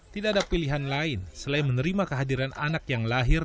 tidak ada pilihan lain selain menerima kehadiran anak yang lahir